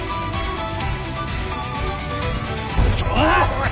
おい！